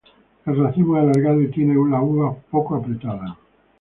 El racimo es alargado y tiene las uvas poco apretadas.